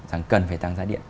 rằng cần phải tăng giá điện